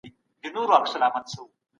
ملتونه د کارګرانو لپاره څه شرایط ټاکي؟